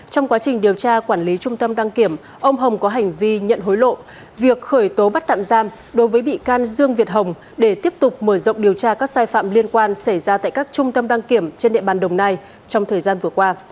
trong quá trình điều tra quản lý trung tâm đăng kiểm ông hồng có hành vi nhận hối lộ việc khởi tố bắt tạm giam đối với bị can dương việt hồng để tiếp tục mở rộng điều tra các sai phạm liên quan xảy ra tại các trung tâm đăng kiểm trên địa bàn đồng nai trong thời gian vừa qua